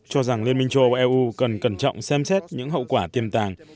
cho rằng liên minh châu âu eu cần cẩn trọng xem xét những hậu quả tiềm tàng